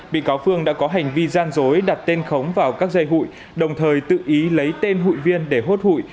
bị cáo phương đã có hành vi gian dối đặt tên khống vào các dây hụi đồng thời tự ý lấy tên hụi viên để hốt hụi